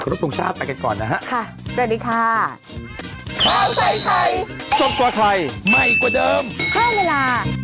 ขอรับตรงชาติไปกันก่อนนะฮะค่ะสวัสดีค่ะค่ะ